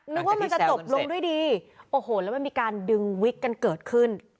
นึกว่ามันจะจบลงด้วยดีโอ้โหแล้วมันมีการดึงวิกกันเกิดขึ้น